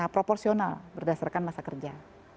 proporsional berdasarkan masa kerja